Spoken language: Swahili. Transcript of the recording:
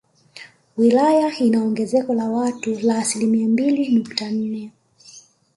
Wilaya ina ongezeko la watu la asilimia mbili nukta nne